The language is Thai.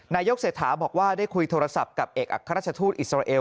นายกเศรษฐาบอกว่าได้คุยโทรศัพท์กับเอกอัครราชทูตอิสราเอล